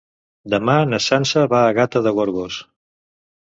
Demà na Sança va a Gata de Gorgos.